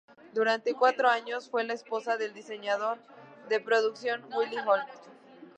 Durante cuatro años fue la esposa del diseñador de producción Willy Holt.